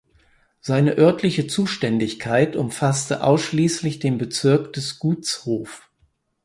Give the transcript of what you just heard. Seine örtliche Zuständigkeit umfasste ausschließlich den Bezirk des Gutshofs.